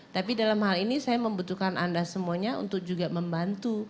tapi dalam hal ini saya membutuhkan anda semuanya untuk juga membantu